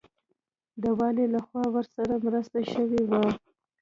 د والي لخوا ورسره مرسته شوې وه.